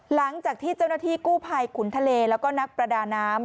หลังจากที่เจ้าหน้าที่กู้ภัยขุนทะเลแล้วก็นักประดาน้ำ